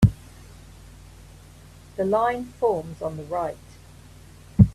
The line forms on the right.